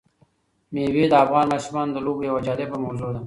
مېوې د افغان ماشومانو د لوبو یوه جالبه موضوع ده.